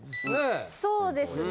そうですね